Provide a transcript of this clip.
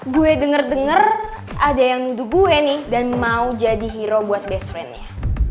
gue denger dengar ada yang nuduh gue nih dan mau jadi hero buat bestfriendnya